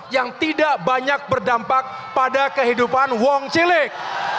yang tidak banyak berdampak pada kehidupan wong cilik